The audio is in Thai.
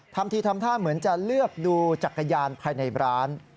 ทำทีทำท่าเหมือนจะเลือกดูจักรยานภายในร้าน